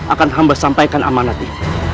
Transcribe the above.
akan hamba sampaikan amanat hei